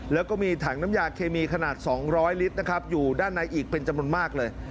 แล้วก็มีถังน้ำยาเคมีขนาด๒๐๐ลิตรนะครับอยู่ด้านในอีกเป็นจำนวนมากเลย